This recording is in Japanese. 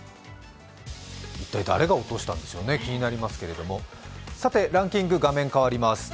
一体誰が落としたのでしょうかね、気になりますけれどもランキング、画面変わります。